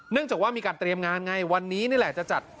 จากว่ามีการเตรียมงานไงวันนี้นี่แหละจะจัด